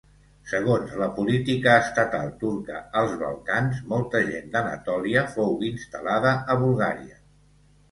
Segons la política estatal turca als Balcans, molta gent d'Anatòlia fou instal·lada a Bulgària.